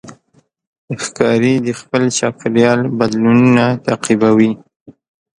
ښکاري د خپل چاپېریال بدلونونه تعقیبوي.